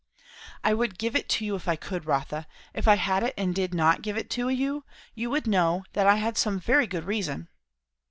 "I would give it you if I could, Rotha. If I had it and did not give it to you, you would know that I had some very good reason."